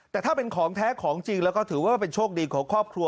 แต่ถ้าเป็นของแท้ของจริงแล้วก็ถือว่าเป็นโชคดีของครอบครัว